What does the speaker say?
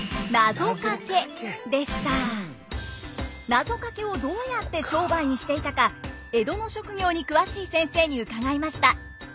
なぞかけをどうやって商売にしていたか江戸の職業に詳しい先生に伺いました。